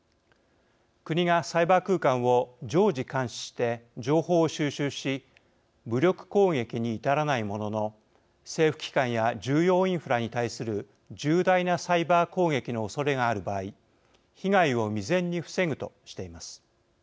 国がサイバー空間を常時監視して情報を収集し武力攻撃に至らないものの政府機関や重要インフラに対する重大なサイバー攻撃のおそれがある場合被害を未然に防ぐとしています。